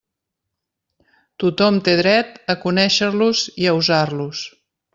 Tothom té dret a conéixer-los i a usar-los.